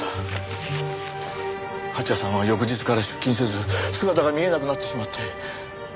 蜂矢さんは翌日から出勤せず姿が見えなくなってしまって。